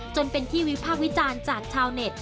จนเป็นที่วิพากษ์วิจารณ์จากชาวเน็ต